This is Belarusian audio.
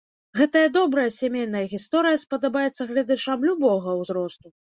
Гэтая добрая сямейная гісторыя спадабаецца гледачам любога ўзросту!